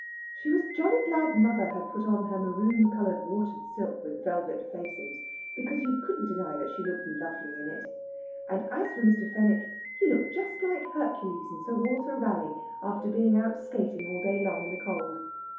She was jolly glad mother had put on her maroon coloured watered silk with velvet facings, because you couldn't deny that she looked lovely in it. And as for Mr. Fenwick, he looked just like Hercules and Sir Walter Raleigh, after being out skating all day long in the cold.